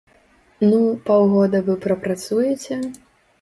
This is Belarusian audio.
Ну, паўгода вы прапрацуеце?